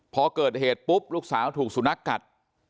พอเกิดเหตุปุ๊บลูกสาวถูกสุนัขกัด